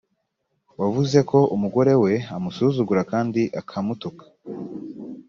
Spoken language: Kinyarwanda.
wavuze ko umugore we amusuzugura kandi akamutuka